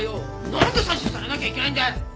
なんで指図されなきゃいけないんだい！